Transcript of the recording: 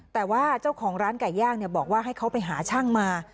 แต่ว่าเจ้าของร้านไก่ย่างบอกว่าให้เขาไปหาช่างมา